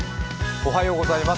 おはようございます。